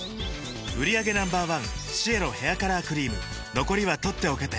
売上№１シエロヘアカラークリーム残りは取っておけて